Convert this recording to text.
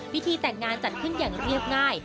พิธีแต่งงานจัดขึ้นอย่างเรียบง่าย